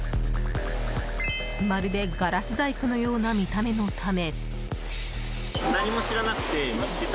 まるで、ガラス細工のような見た目のため。